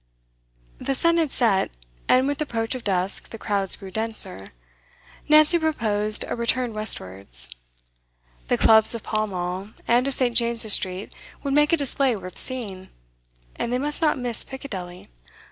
The sun had set, and with approach of dusk the crowds grew denser. Nancy proposed a return westwards; the clubs of Pall Mall and of St James's Street would make a display worth seeing, and they must not miss Piccadilly.